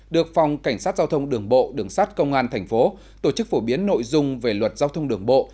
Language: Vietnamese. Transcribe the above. được phòng cảnh sát giao thông đường bộ đường sát công an thành phố tổ chức phổ biến nội dung về luật giao thông đường bộ